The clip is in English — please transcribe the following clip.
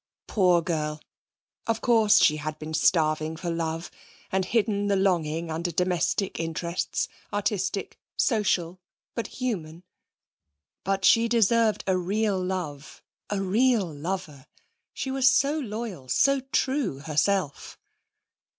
Poor girl! Of course she had been starving for love, and hidden the longing under domestic interests, artistic, social, but human. But she deserved real love, a real lover. She was so loyal, so true herself.